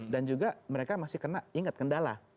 dan juga mereka masih kena ingat kendala